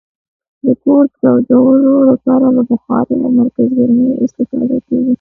د کور تودولو لپاره له بخارۍ او مرکزګرمي استفاده کیږي.